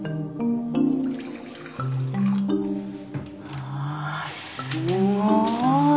ああすごい。